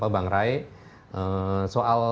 bang rai soal